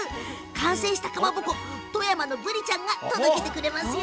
完成したかまぼこ富山のブリちゃんが届けてくれますよ。